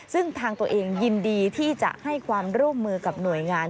ซึ่งทางตัวเองยินดีที่จะให้ความร่วมมือกับหน่วยงาน